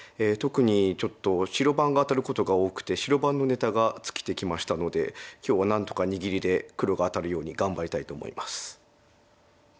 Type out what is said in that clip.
特にちょっと白番が当たることが多くて白番のネタが尽きてきましたので今日は何とか握りで黒が当たるように頑張りたいと思います。